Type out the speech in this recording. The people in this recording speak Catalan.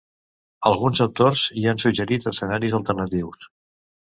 Alguns autors hi han suggerit escenaris alternatius.